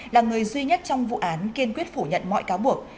là người duy nhất trong vụ án kiên quyết phủ nhận mọi cáo buộc